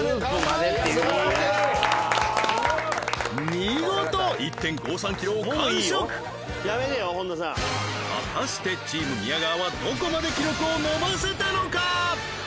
見事１．５３キロを完食果たしてチーム宮川はどこまで記録を伸ばせたのか？